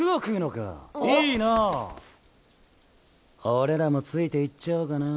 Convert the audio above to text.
俺らもついて行っちゃおうかな。